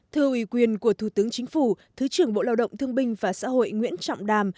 thưa ủy quyền của thủ tướng chính phủ thứ trưởng bộ lao động thương binh và xã hội nguyễn trọng đàm